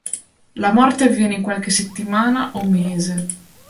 La morte avviene in qualche settimana o mese.